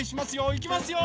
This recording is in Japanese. いきますよ！